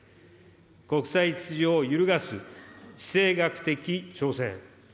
国際秩序を揺るがす地政学的挑戦。